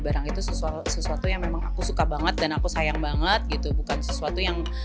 barang itu sesuatu yang memang aku suka banget dan aku sayang banget gitu bukan sesuatu yang